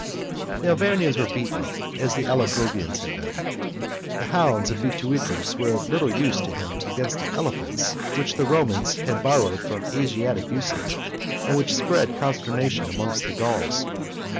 The Arvernians were beaten, as the Allobrogians had been. The hounds of Bituitus were of little use to him against the elephants which the Romans had borrowed from Asiatic usage, and which spread consternation amongst the Gauls.